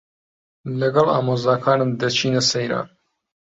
لەگەڵ ئامۆزاکانم دەچینە سەیران.